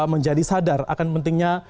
menjadi sadar akan pentingnya